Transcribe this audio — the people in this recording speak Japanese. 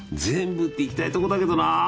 全部っていきたいとこだけどな！